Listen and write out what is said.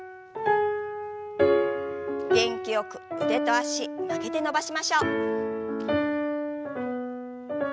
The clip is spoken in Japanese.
元気よく腕と脚曲げて伸ばしましょう。